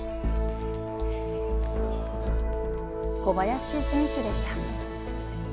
小林選手でした。